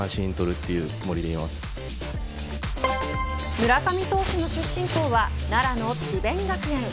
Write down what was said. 村上投手の出身校は奈良の智辯学園。